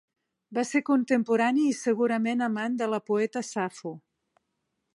Va ser contemporani i segurament amant de la poeta Safo.